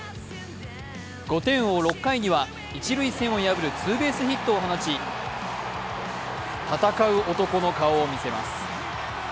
５点を追う６回には一塁線を破るツーベースヒットを放ち戦う男の顔を見せます。